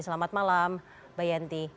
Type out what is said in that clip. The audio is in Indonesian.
selamat malam mbak yenti